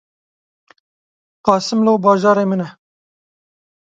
Qasimlo bajarê min e